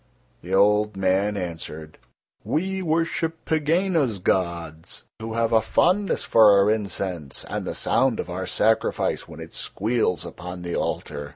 The old man answered: "We worship Pegāna's gods, who have a fondness for our incense and the sound of our sacrifice when it squeals upon the altar."